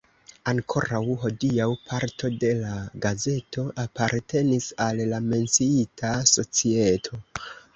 Ankoraŭ hodiaŭ parto de la gazeto apartenis al la menciita societo.